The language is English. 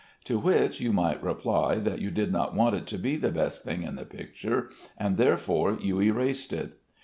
To which you might reply that you did not want it to be the best thing in the picture, and therefore you erased it.